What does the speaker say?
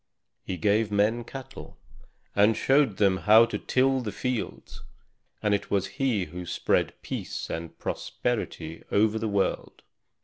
He gave men cattle, and showed them how to till the fields; and it was he who spread peace and prosperity over the world.